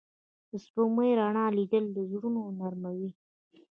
د سپوږمۍ رڼا لیدل زړونه نرموي